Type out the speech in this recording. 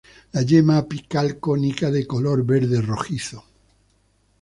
La yema apical cónica de color verde rojizo.